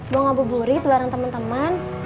mau ngabur burit bareng temen temen